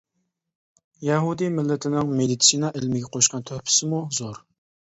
يەھۇدىي مىللىتىنىڭ مېدىتسىنا ئىلمىگە قوشقان تۆھپىسىمۇ زور.